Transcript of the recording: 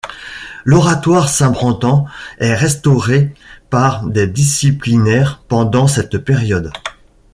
L'oratoire Saint-Brendan est restauré par des disciplinaires pendant cette période.